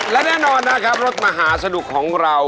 และแน่นอนนะครับรถมหาสนุกของเรา